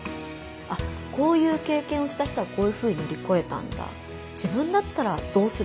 あっこういう経験をした人はこういうふうに乗り越えたんだ。